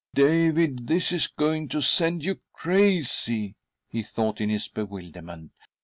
," David, this is going to send you crazy," he = thought in his bewilderment.